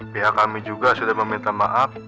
pihak kami juga sudah meminta maaf